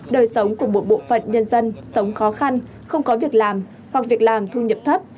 đời sống của một bộ phận nhân dân sống khó khăn không có việc làm hoặc việc làm thu nhập thấp